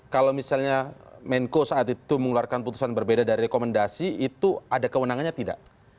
kalau misalnya menko saat itu mengeluarkan putusan berbeda dari rekomendasi itu ada kewenangannya tidak